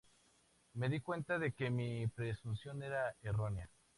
me di cuenta de que mi presunción era errónea